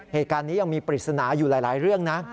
เหตุการณ์นี้ยังมีปริศนาอยู่หลายเรื่องนะ